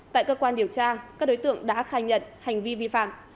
tại cơ quan điều tra các đối tượng đã khai nhận hành vi vi phạm